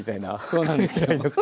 そうなんですよ。